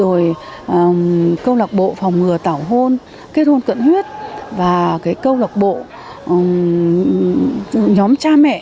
rồi câu lạc bộ phòng ngừa tảo hôn kết hôn cận huyết và cái câu lạc bộ nhóm cha mẹ